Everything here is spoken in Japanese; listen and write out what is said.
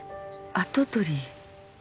跡取り。